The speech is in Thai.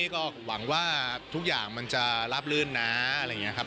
ก็หวังว่าทุกอย่างมันจะราบลื่นนะอะไรอย่างนี้ครับ